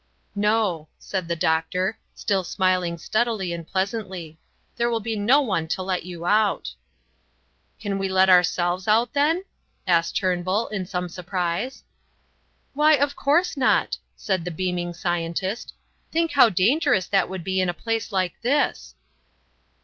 "No," said the doctor, still smiling steadily and pleasantly, "there will be no one to let you out." "Can we let ourselves out, then?" asked Turnbull, in some surprise. "Why, of course not," said the beaming scientist; "think how dangerous that would be in a place like this."